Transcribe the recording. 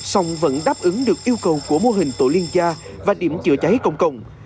song vẫn đáp ứng được yêu cầu của mô hình tổ liên gia và điểm chữa cháy công cộng